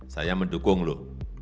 saya mendukung lu